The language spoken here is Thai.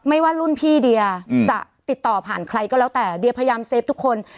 ว่ารุ่นพี่เดียจะติดต่อผ่านใครก็แล้วแต่เดียพยายามเซฟทุกคน